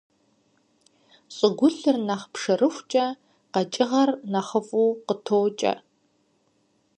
ЩӀыгулъыр нэхъ пшэрыхукӀэ къэкӀыгъэр нэхъыфӀу къытокӀэ.